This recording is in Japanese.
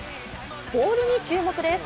ボールに注目です。